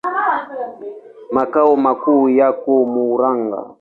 Makao makuu yako Murang'a.